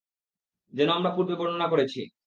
যেমন আমরা পূর্বে বর্ণনা করেছি।